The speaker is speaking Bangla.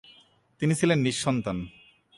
তিনি ছিলেন নিঃসন্তান।